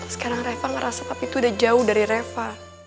sekarang reva ngerasa tapi itu udah jauh dari reva